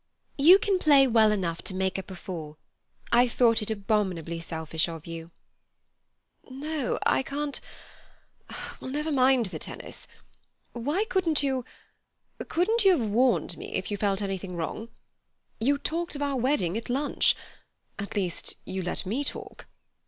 "You can play well enough to make up a four. I thought it abominably selfish of you." "No, I can't—well, never mind the tennis. Why couldn't you—couldn't you have warned me if you felt anything wrong? You talked of our wedding at lunch—at least, you let me talk."